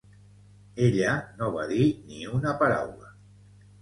Ella no va dir ni una paraula.